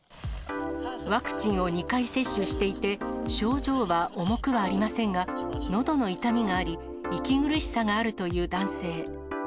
ワクチンを２回接種していて、症状は重くはありませんが、のどの痛みがあり、息苦しさがあるという男性。